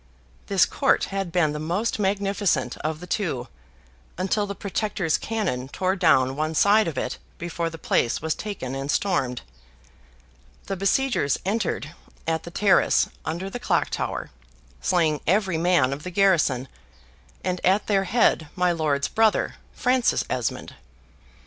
This court had been the most magnificent of the two, until the Protector's cannon tore down one side of it before the place was taken and stormed. The besiegers entered at the terrace under the clock tower, slaying every man of the garrison, and at their head my lord's brother, Francis Esmond.